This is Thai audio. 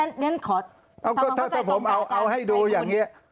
นี่ท่านนี่ถ้าผมเอาให้ดูอย่างนี้